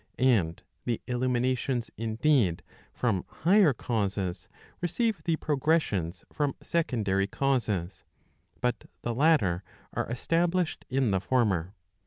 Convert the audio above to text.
And the illuminations indeed, from higher causes, receive the progressions from secondary causes; but the latter are esta¬ blished in the former.